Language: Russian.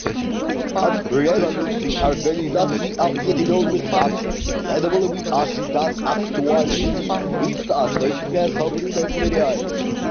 От резолюций Организации Объединенных Наций следовало бы ожидать актуальности и соответствия современной реальности.